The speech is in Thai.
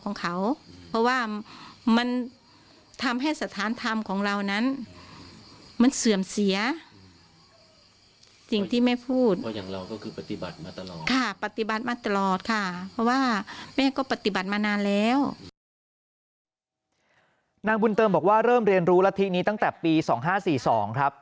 นางบุญเติมบอกว่าเริ่มเรียนรู้รัฐธินี้ตั้งแต่ปี๒๕๔๒ครับ